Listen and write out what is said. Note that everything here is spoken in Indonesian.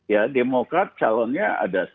ya demokrat calonnya ada